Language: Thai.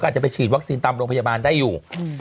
อาจจะไปฉีดวัคซีนตามโรงพยาบาลได้อยู่